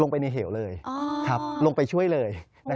ลงไปในเหวเลยลงไปช่วยเลย